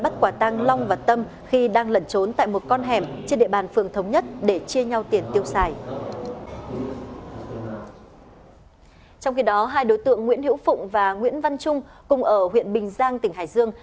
trong khi đó hai đối tượng nguyễn hữu phụng và nguyễn văn trung cùng ở huyện bình giang tỉnh hải dương